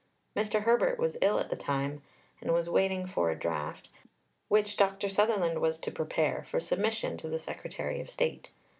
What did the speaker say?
Mr. Herbert was ill at the time and was waiting for a draft, which Dr. Sutherland was to prepare, for submission to the Secretary of State.